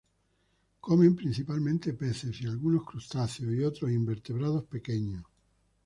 Comen principalmente peces, y algunos crustáceos y otros invertebrados pequeños.